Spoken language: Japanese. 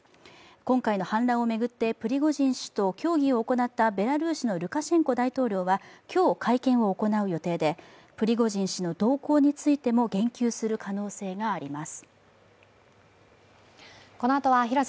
今回の反乱を巡って、プリゴジン氏と協議を行ったベラルーシのルカシェンコ大統領は今日会見を行う予定でプリゴジン氏の動向についても言及する可能性があります。